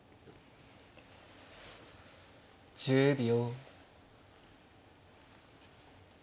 １０秒。